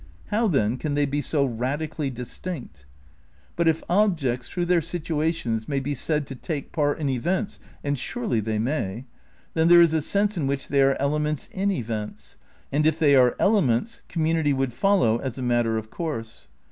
How then can they be so radically distiuct? But if objects, through their situations, may be said to take part in events — and surely they may? — then there is a sense in which they are elements in events, and if they are ele ments community would follow as a matter of course.